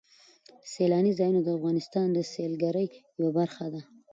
سیلاني ځایونه د افغانستان د سیلګرۍ یوه برخه ده.